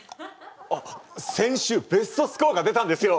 あっ先週ベストスコアが出たんですよ。